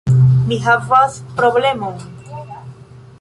Mi havas problemon!